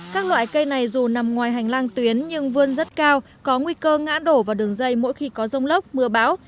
các loại cây này dù nằm ngoài hành lang tuyến nhưng vươn rất cao có nguy cơ ngã đổ vào đường dây mỗi khi có rông lốc mưa bão